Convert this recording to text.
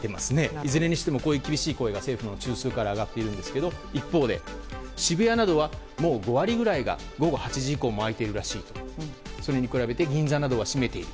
いずれにしても厳しい声が政府の中枢から上がっているんですが一方で、渋谷などはもう５割ぐらいが午後８時以降も開いているらしいそれに比べて銀座などは閉めている。